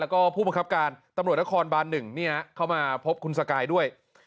แล้วก็ผู้บังคับการตำรวจนครบาน๑เข้ามาพบคุณสกายด้วย